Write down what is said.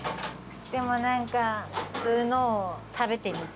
でも何か普通のを食べてみたい。